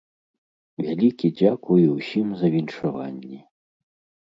Вялікі дзякуй усім за віншаванні!